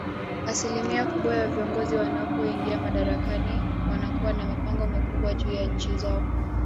Asilimia kubwa ya viongozi wanapoingia madarakani wanakuwa na mipango mikubwa juu ya nchi zao